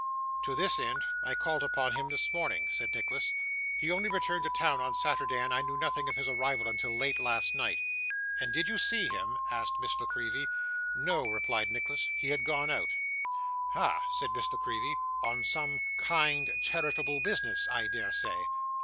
'To this end, I called upon him this morning,' said Nicholas. 'He only returned to town on Saturday, and I knew nothing of his arrival until late last night.' 'And did you see him?' asked Miss La Creevy. 'No,' replied Nicholas. 'He had gone out.' 'Hah!' said Miss La Creevy; 'on some kind, charitable business, I dare say.